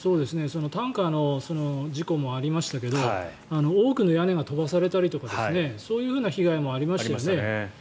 タンカーの事故もありましたけど多くの屋根が飛ばされたりとかそういう被害もありましたよね。